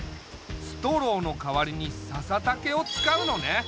ストローの代わりにささ竹を使うのね。